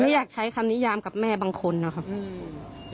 ไม่อยากใช้คำนิยามกับแม่บางคนอ่ะค่ะอืม